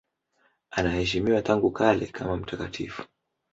Anaheshimiwa tangu kale kama mtakatifu.